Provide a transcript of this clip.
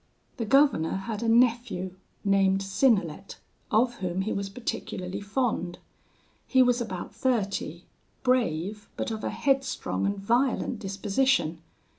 "The governor had a nephew named Synnelet, of whom he was particularly fond. He was about thirty; brave, but of a headstrong and violent disposition.